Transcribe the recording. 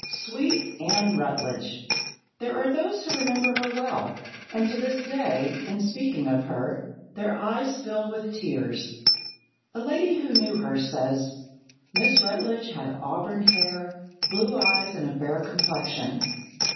Sweet Anne Rutledge! There are those who remember her well, and to this day in speaking of her, their eyes fill with tears. A lady who knew her says: "Miss Rutledge had auburn hair, blue eyes, and a fair complexion.